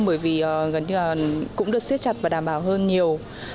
bởi vì cũng được siết chặt và đảm bảo hơn nhiều